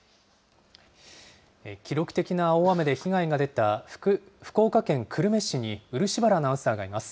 記録的な大雨で被害が出た福岡県久留米市に漆原アナウンサーがいます。